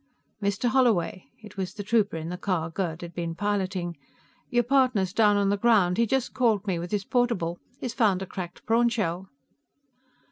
"Mr. Holloway." It was the trooper in the car Gerd had been piloting. "Your partner's down on the ground; he just called me with his portable. He's found a cracked prawn shell."